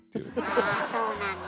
あそうなんだ。